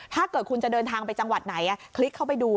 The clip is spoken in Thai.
ถ้าเกิดคุณจะเดินทางไปจังหวัดไหนคลิกเข้าไปดู